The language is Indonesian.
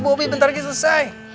bobi bentar lagi selesai